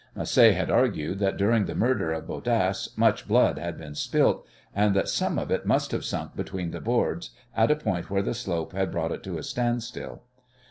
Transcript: Macé had argued that during the murder of Bodasse much blood had been spilt, and that some of it must have sunk between the boards at a point where the slope had brought it to a standstill.